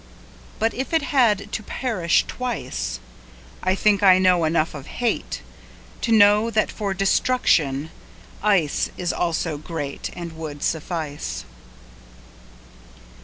But if it had to perish twice,I think I know enough of hateTo know that for destruction iceIs also greatAnd would suffice.